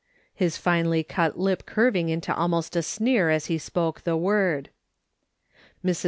" his finely cut lip curving into almost a sneer as he spoke the word. Mrs.